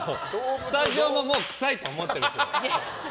スタジオも臭いと思ってるでしょ。